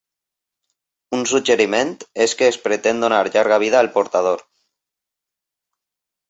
Un suggeriment és que es pretén donar llarga vida al portador.